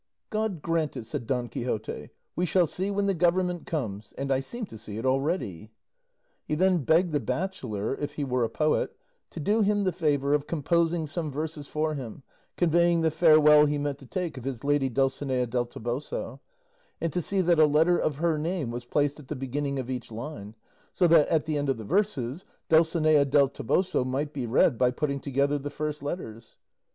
"God grant it," said Don Quixote; "we shall see when the government comes; and I seem to see it already." He then begged the bachelor, if he were a poet, to do him the favour of composing some verses for him conveying the farewell he meant to take of his lady Dulcinea del Toboso, and to see that a letter of her name was placed at the beginning of each line, so that, at the end of the verses, "Dulcinea del Toboso" might be read by putting together the first letters.